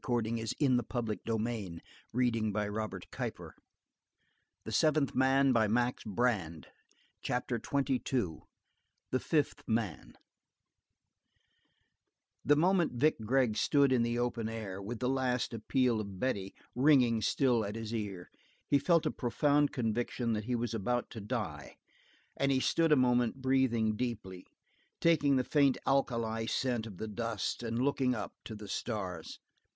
"What good's my life? What good's it if I'm a yaller dog ag'in? I'm goin' out and be a man!" Chapter XXII. The Fifth Man The moment Vic Gregg stood in the open air, with the last appeal of Betty ringing still at his ear, he felt a profound conviction that he was about to die and he stood a moment breathing deeply, taking the faint alkali scent of the dust and looking up to the stars.